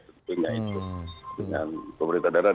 dengan pemerintah daerah